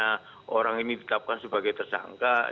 karena orang ini ditetapkan sebagai tersangka